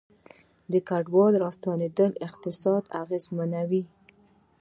د کډوالو راستنیدل اقتصاد اغیزمنوي